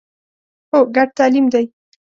هو، ګډ تعلیم دی